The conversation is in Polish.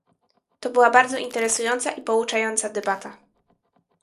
To była bardzo interesująca i pouczająca debata